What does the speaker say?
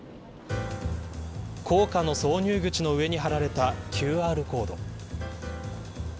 硬貨の挿入口の上に貼られたＱＲコード。